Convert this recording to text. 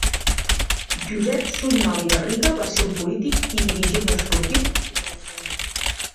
Josep Sunyol i Garriga va ser un polític i dirigent esportiu nascut a Barcelona.